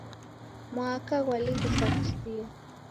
Mwaka ghwalighisa kusia